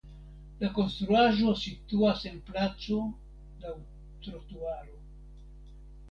La konstruaĵo situas en placo laŭ trotuaro.